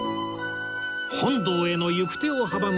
本堂への行く手を阻む